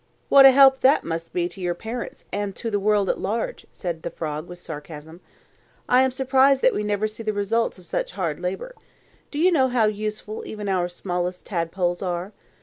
"What a help that must be to your parents and to the world at large!" said the frog with sarcasm. "I am surprised that we never see the results of such hard labour. Do you know how useful even our smallest tadpoles are?